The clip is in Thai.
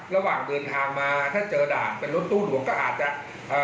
ระหว่างเดินทางมาถ้าเจอด่านเป็นรถตู้หลวงก็อาจจะเอ่อ